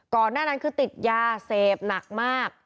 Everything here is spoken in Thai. หน้านั้นคือติดยาเสพหนักมาก